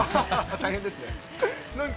大変ですね。